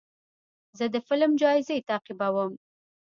زه د فلم جایزې تعقیبوم.